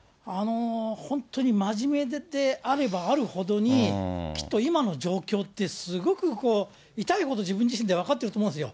本当に真面目であればあるほどに、きっと今の状況ってすごく痛いほど自分自身で分かってると思うんですよ。